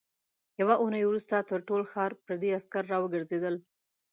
يوه اوونۍ وروسته تر ټول ښار پردي عسکر راوګرځېدل.